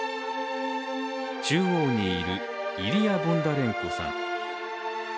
中央にいるイリア・ボンダレンコさん。